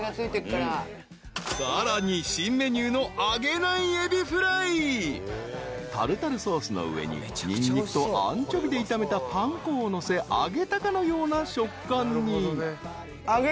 ［さらに新メニューの］［タルタルソースの上にニンニクとアンチョビーで炒めたパン粉をのせ揚げたかのような食感に］